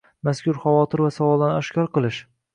mazkur xavotir va savollarni oshkor qilish